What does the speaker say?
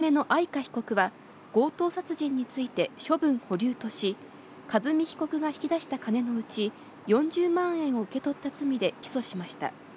岡村被告の娘の愛香被告は、強盗殺人について処分保留とし、和美被告が引き出した金のうち４０万円を受け取った罪で起訴しました。